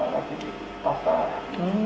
demikian pula abdul abdul rahman